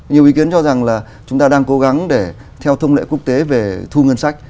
nhiều ý kiến cho rằng là chúng ta đang cố gắng để theo thông lệ quốc tế về thu ngân sách